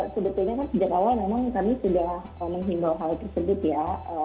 sebetulnya kan sejak awal memang kami sudah menghimbau hal tersebut ya